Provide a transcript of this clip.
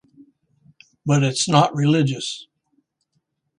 But it's not religious.